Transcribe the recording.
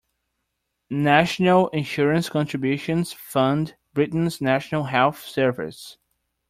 National Insurance contributions fund Britain’s National Health Service